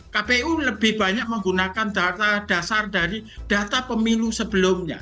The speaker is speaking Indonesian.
kpu lebih banyak menggunakan data dasar dari data pemilu sebelumnya